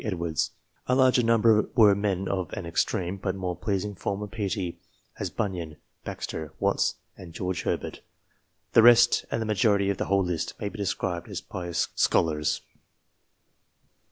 Edwards ; a larger number were men of an extreme, but more pleasing form of piety, as Bunyan, Baxter, Watts, and George Herbert. The rest, and the majority of the whole list, may be described as pious scholars.